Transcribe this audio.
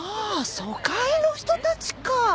疎開の人たちか。